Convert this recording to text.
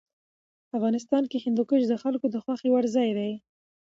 افغانستان کې هندوکش د خلکو د خوښې وړ ځای دی.